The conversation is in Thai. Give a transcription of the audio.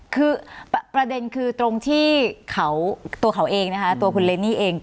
คือประเด็นคือตรงที่ตัวเขาเองนะคะตัวคุณเรนนี่เอง